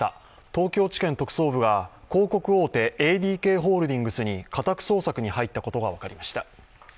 東京地検特捜部が広告大手ＡＤＫホールディングスに家宅捜索に入ったことが分かりました。